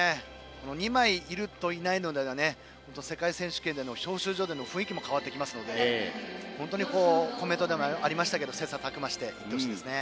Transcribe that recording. ２枚いるといないのでは世界選手権の招集所での雰囲気も変わってきますのでコメントにもありましたけど切さたく磨してほしいですね。